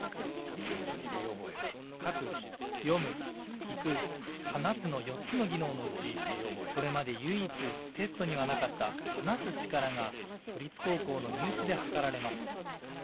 書く、読む、聞く、話すの４つの技能のうち、これまで唯一テストにはなかった話す力が都立高校の入試ではかられます。